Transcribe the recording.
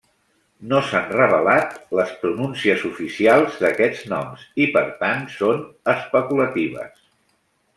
No s'han revelat les pronúncies oficials d'aquests noms i per tant són especulatives.